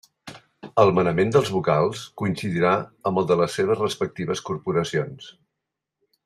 El manament dels vocals coincidirà amb el de les seves respectives Corporacions.